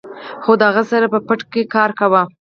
خر د هغه سره په پټي کې کار کاوه.